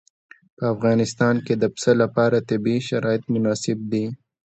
په افغانستان کې د پسه لپاره طبیعي شرایط مناسب دي.